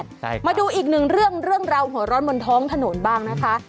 ใช่มาดูอีกหนึ่งเรื่องเรื่องราวหัวร้อนบนท้องถนนบ้างนะคะ